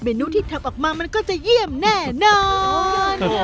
นุที่ทำออกมามันก็จะเยี่ยมแน่นอน